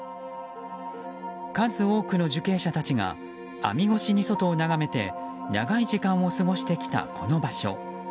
数多くの受刑者たちが網越しに外を眺めて長い時間を過ごしてきたこの場所。